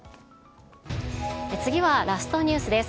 次はラストニュースです。